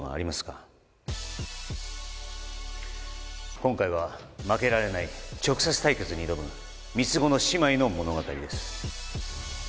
今回は負けられない直接対決に挑む三つ子の姉妹の物語です